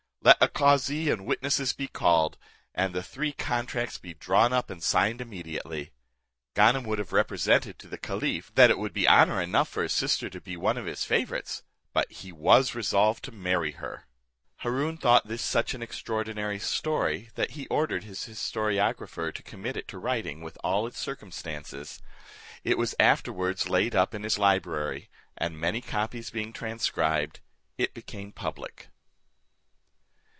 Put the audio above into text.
Let a cauzee and witnesses be called, and the three contracts be drawn up and signed immediately." Ganem would have represented to the caliph, that it would be honour enough for his sister to be one of his favourites; but he was resolved to marry her. Haroon thought this such an extraordinary story, that he ordered his historiographer to commit it to writing with all its circumstances. It was afterwards laid up in his library, and many copies being transcribed, it became public.